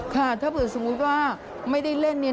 ค่ะถ้าเผื่อสมมุติว่าไม่ได้เล่นเนี่ย